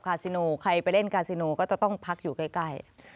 ซิโนใครไปเล่นกาซิโนก็จะต้องพักอยู่ใกล้